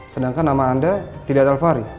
sedangkan nama anda tidak talvari